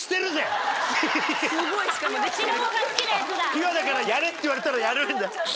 ピュアだからやれって言われたらやるんだ。